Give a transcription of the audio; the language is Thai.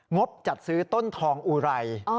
งบจัดซื้อต้นทองอุไร